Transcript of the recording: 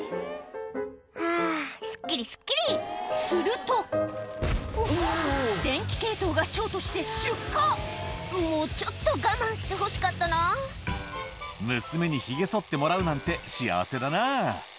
「はぁすっきりすっきり」すると電気系統がショートして出火もうちょっと我慢してほしかったな「娘にヒゲそってもらうなんて幸せだな」